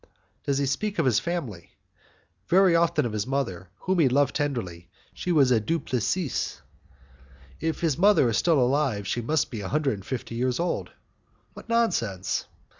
"Does he speak of his family?" "Very often of his mother, whom he loved tenderly. She was a Du Plessis." "If his mother is still alive she must be a hundred and fifty years old." "What nonsense!"